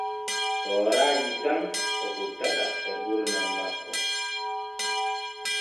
Tooraaji tan o fottata e gurdam makko.